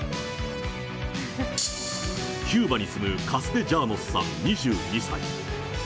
キューバに住むカステジャーノスさん２２歳。